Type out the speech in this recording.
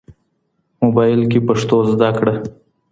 مبايل کې پښتو زده کړه.